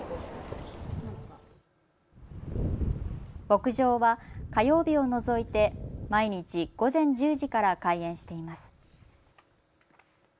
牧場は火曜日を除いて毎日、午前１０時から開園しています。